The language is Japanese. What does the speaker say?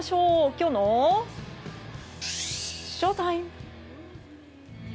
きょうのＳＨＯＴＩＭＥ！